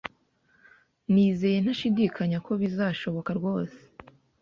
Nizeye ntashidikanya ko bizashoboka rwose